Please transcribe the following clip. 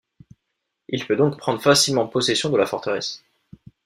Il peut donc prendre facilement possession de la forteresse.